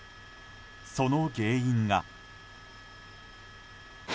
その原因が。